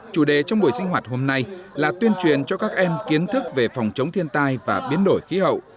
chủ đề trong buổi sinh hoạt hôm nay là tuyên truyền cho các em kiến thức về phòng chống thiên tai và biến đổi khí hậu